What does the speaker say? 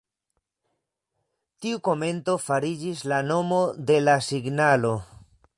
Tiu komento fariĝis la nomo de la signalo.